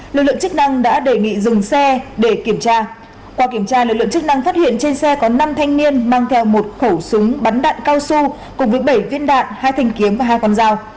công an huyện trảng bom đã đề nghị dừng xe để kiểm tra qua kiểm tra lực lượng chức năng phát hiện trên xe có năm thanh niên mang theo một khẩu súng bắn đạn cao su cùng với bảy viên đạn hai thanh kiếm và hai con dao